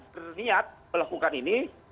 terniat melakukan ini